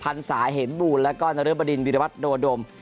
พันศาเห็นบูลแล้วก็นรบดินวิรวัตโดดม